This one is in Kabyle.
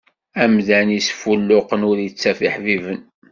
Amdan isfulluqen, ur ittaf iḥbiben.